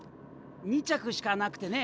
２着しかなくてね。